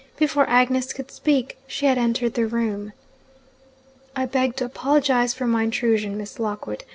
Before Agnes could speak, she had entered the room. 'I beg to apologise for my intrusion, Miss Lockwood.